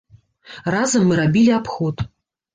Разам мы рабілі абход.